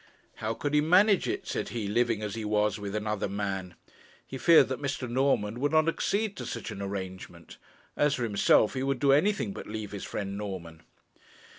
'How could he manage it,' said he, 'living, as he was, with another man? He feared that Mr. Norman would not accede to such an arrangement. As for himself, he would do anything but leave his friend Norman.'